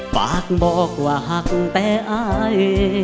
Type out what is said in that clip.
ปากบอกว่าหักแต่อ้าย